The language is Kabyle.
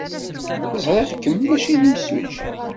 Ẓriɣ kemm maci d imsujji.